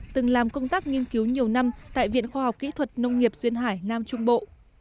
từng làm công tác nghiên cứu nhiều năm tại viện khoa học kỹ thuật nông nghiệp duyên hải nam trung bộ